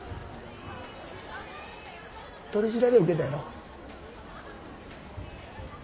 取り調べ受けたやろ？